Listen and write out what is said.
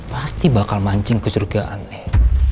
pasti bakal mancing kesurgaan nih